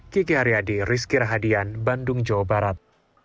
kiki aryadi rizky rahadian bandung jawa barat